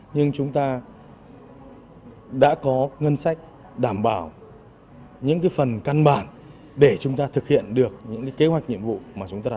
nhưng chúng ta đã có ngân sách đảm bảo những phần căn bản để chúng ta thực hiện được những kế hoạch nhiệm vụ mà chúng ta đặt ra